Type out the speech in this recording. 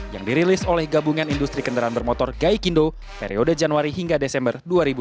yang dirilis oleh gabungan industri kendaraan bermotor gaikindo periode januari hingga desember dua ribu dua puluh